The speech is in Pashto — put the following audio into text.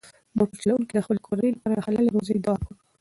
موټر چلونکي د خپلې کورنۍ لپاره د حلالې روزۍ دعا وکړه.